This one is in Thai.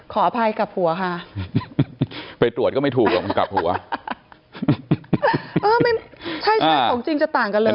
ขออภัยกลับหัวค่ะไปตรวจก็ไม่ถูกหรอกมันกลับหัวเออไม่ใช่ใช่ของจริงจะต่างกันเลย